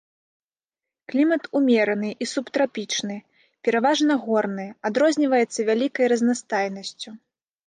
Клімат умераны і субтрапічны, пераважна горны, адрозніваецца вялікай разнастайнасцю.